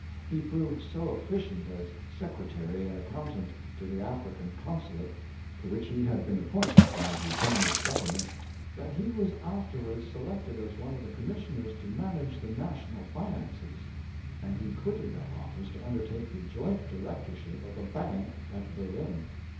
He proved so efficient as secretary and accountant to the African consulate, to which he had been appointed by the Dan ish Government, that he was afterwards selected as one of the commissioners to manage the national finances; and he quitted that office to undertake the joint direc torship of a bank at Berlin.